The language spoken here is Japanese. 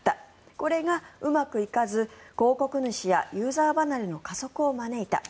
これがうまくいかず広告主やユーザー離れの加速を招いた。